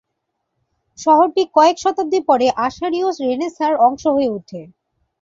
শহরটি কয়েক শতাব্দী পরে আশারিয় রেনেসাঁর অংশ হয়ে ওঠে।